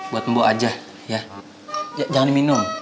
buat membawa aja jangan diminum